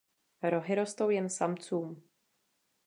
Rohy rostou jen samcům.